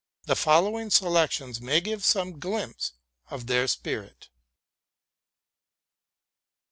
The following selections may give some glimpse of their spirit.